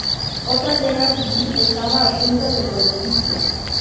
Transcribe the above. Otra guerra civil estaba a punto de producirse.